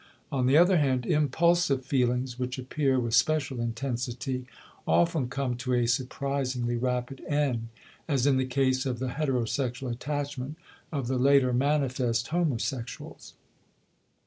On the other hand impulsive feelings which appear with special intensity often come to a surprisingly rapid end, as in the case of the heterosexual attachment of the later manifest homosexuals.